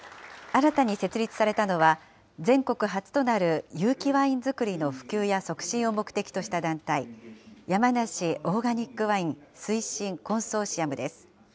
新たに設立されたのは、全国初となる有機ワイン造りの普及や促進を目的とした団体、山梨オーガニックワイン推進コンソーシアムです。